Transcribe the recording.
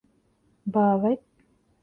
ބާވަތް